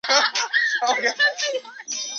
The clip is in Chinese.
耆英号接下来驶往英国。